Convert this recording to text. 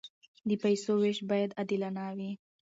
د پیسو وېش باید عادلانه وي.